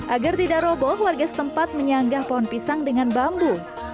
agar tidak roboh warga setempat menyanggah pohon pisang dengan bambu